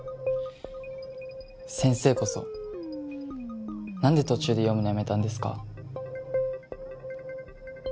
先生こそ何で途中で読むのやめたんですか？